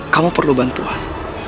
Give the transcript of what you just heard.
kamu perlu bantuan